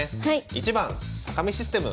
１番見システム。